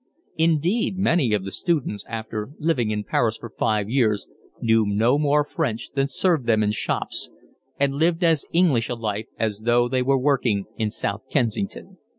Indeed, many of the students after living in Paris for five years knew no more French than served them in shops and lived as English a life as though they were working in South Kensington.